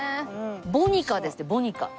ボニカですってボニカ。